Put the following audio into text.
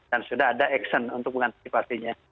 dan sudah ada akses untuk mengantisipasinya